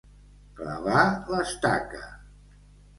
Clavar l'estaca.